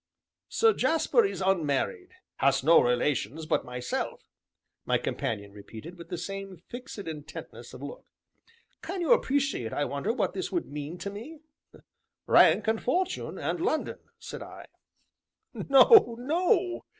"Sir Jasper is unmarried has no relations but myself," my companion repeated, with the same fixed intentness of look; "can you appreciate, I wonder, what this would mean to me?" "Rank, and fortune, and London," said I. "No, no!"